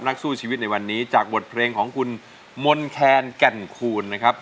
นักสู้ชีวิตในวันนี้จากบทเพลงของคุณมนต์แคนแก่นคูณนะครับ